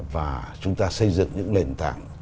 và chúng ta xây dựng những lền tảng